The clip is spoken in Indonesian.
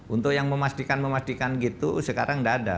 untuk yang memastikan memastikan gitu sekarang tidak ada